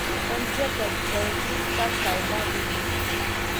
طنز یا تضحیک کا شائبہ بھی نہیں ملتا